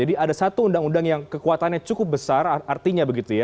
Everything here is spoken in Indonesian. jadi ada satu undang undang yang kekuatannya cukup besar artinya begitu ya